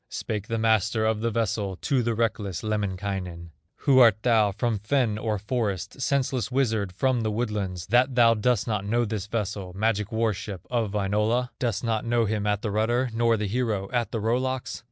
Spake the master of the vessel To the reckless Lemminkainen: "Who art thou from fen or forest, Senseless wizard from the woodlands, That thou dost not know this vessel, Magic war ship of Wainola? Dost not know him at the rudder, Nor the hero at the row locks?"